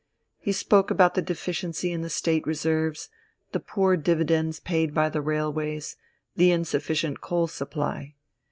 He spoke about the deficiency in the State reserves, the poor dividends paid by the railways, the insufficient coal supply.